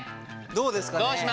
どうですかね？